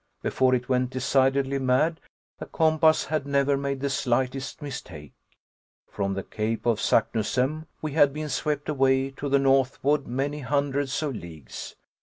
Before it went decidedly mad, the compass had never made the slightest mistake. From the cape of Saknussemm, we had been swept away to the northward many hundreds of leagues.